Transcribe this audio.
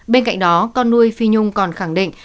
bên cạnh đó con nuôi phi nhung còn khẳng định